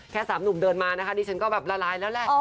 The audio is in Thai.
แค่สามหนุ่มเดินมานะครับดิฉันก็แบบล้าแล้วแหละ